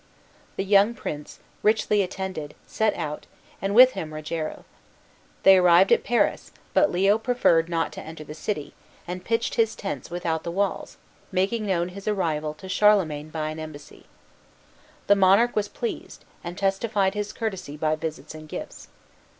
The young prince, richly attended, set out, and with him Rogero. They arrived at Paris, but Leo preferred not to enter the city, and pitched his tents without the walls, making known his arrival to Charlemagne by an embassy. The monarch was pleased, and testified his courtesy by visits and gifts.